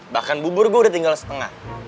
bahkan bubur gue udah tinggal setengah